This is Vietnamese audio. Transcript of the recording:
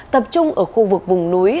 tập trung ở khu vực vùng núi